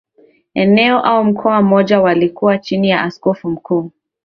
eneo au mkoa mmoja walikuwa chini ya Askofu Mkuu